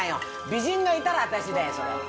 美人がいたら私だよそれは。